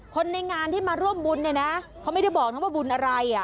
คนในงานที่มาร่วมบุญเนี่ยนะเขาไม่ได้บอกนะว่าบุญอะไรอ่ะ